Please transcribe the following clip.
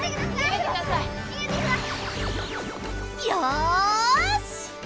よし！